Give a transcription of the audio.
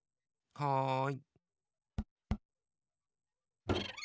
・はい。